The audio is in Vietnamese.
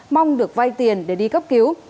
mong được vay tiền để đi cấp cứu